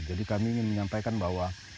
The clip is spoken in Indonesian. jadi kami ingin menyampaikan bahwa